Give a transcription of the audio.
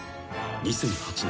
［２００８年。